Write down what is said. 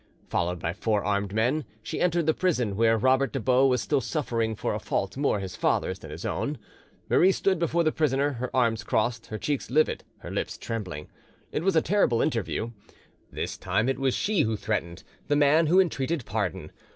Followed by four armed men, she entered the prison where Robert des Baux was still suffering for a fault more his father's than his own. Marie stood before the prisoner, her arms crossed, her cheeks livid, her lips trembling. It was a terrible interview. This time it was she who threatened, the man who entreated pardon.